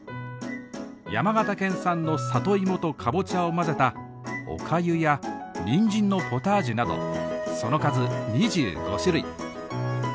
山形県産の里芋とかぼちゃを混ぜたおかゆやにんじんのポタージュなどその数２５種類。